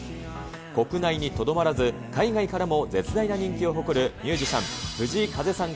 国内にとどまらず、海外からも絶大な人気を誇る、ミュージシャン、藤井風さん